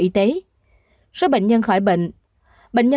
tây ninh một năm trăm tám mươi sáu